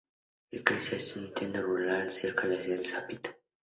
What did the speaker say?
Él creció en un asentamiento rural cerca de la ciudad de Satipo.